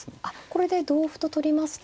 これで同歩と取りますと。